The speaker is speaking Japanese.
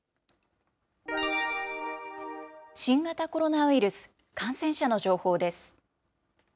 新型コロナウイルス、感染者の情報です。